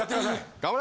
・頑張れ！